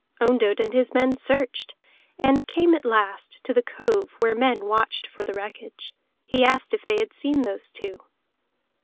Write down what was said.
Ondott and his men searched, and came at last to the cove where men watched for the wreckage. He asked if they had seen those two.